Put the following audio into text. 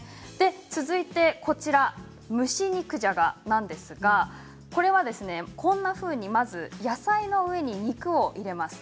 続いて、蒸し肉じゃがなんですがこれは、こんなふうにまず野菜の上に肉を入れます。